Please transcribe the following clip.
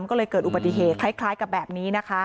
ก็เลยเกิดอุบัติเหตุคล้ายกับแบบนี้นะคะ